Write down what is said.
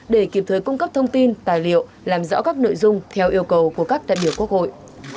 để kịp thời cung cấp thông tin tài liệu làm rõ các nội dung theo yêu cầu của các đại biểu quốc hội